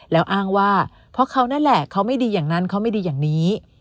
แล้วอ้างว่าเพราะเขานั่นแหละเขาไม่ดีอย่างนั้นเขาไม่ดีอย่างนี้